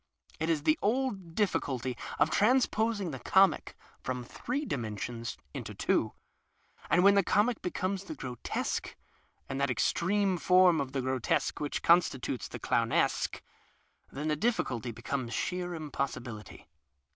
It is the old dilliculty of transposing tiic comic from three dimensions into two — and when the comic becomes the grotesque, and that extreme form of tiie grotesque which constitutes the clowncsque, then the dilliculty becomes sheer impossibility.